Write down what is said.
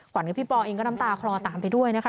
กับพี่ปอเองก็น้ำตาคลอตามไปด้วยนะคะ